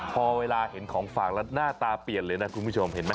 พอเวลาเห็นของฝากแล้วหน้าตาเปลี่ยนเลยนะคุณผู้ชมเห็นไหม